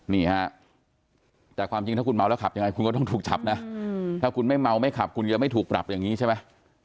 นี่ฮะแต่ความจริงถ้าคุณเมาแล้วขับยังไงคุณก็ต้องถูกจับนะถ้าคุณไม่เมาไม่ขับคุณจะไม่ถูกปรับอย่างนี้ใช่ไหม